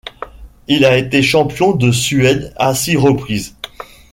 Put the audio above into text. Il a été champion de Suède à six reprises.